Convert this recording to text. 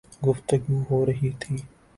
گفتگو ہو رہی تھی